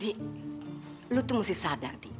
dik lo tuh mesti sadar dik